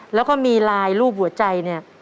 แล้วก็มีลายรูปหัวใจเนี่ย